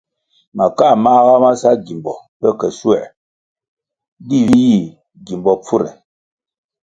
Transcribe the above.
Makā māga ma sa gimbo pe ke schuoē, di vih yih gimbo pfure.